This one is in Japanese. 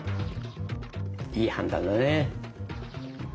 いい判断だね。